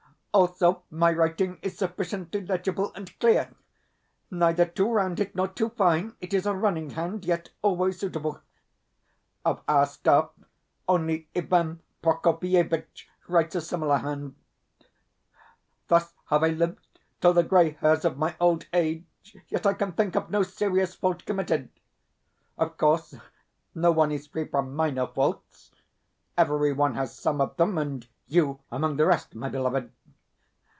Also, my writing is sufficiently legible and clear. Neither too rounded nor too fine, it is a running hand, yet always suitable. Of our staff only Ivan Prokofievitch writes a similar hand. Thus have I lived till the grey hairs of my old age; yet I can think of no serious fault committed. Of course, no one is free from MINOR faults. Everyone has some of them, and you among the rest, my beloved.